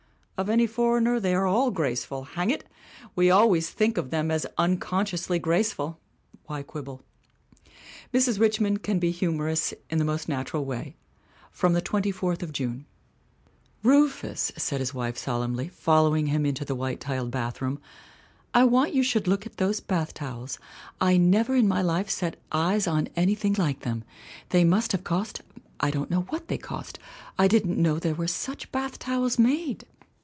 Of any foreigner they are all grace ful! Hang it! We always think of them as un consciously graceful. Why quibble? Mrs. Richmond can be humorous in the most nat ural way. From The Twenty fourth of June: RuftlS, 1 said his wife solemnly, following him into the white tiled bathroom, 'I want you should look at those bath towels. I never in my life set eyes on any thing like them. They must have cost I don't know what they cost I didn't know there were such bath towels made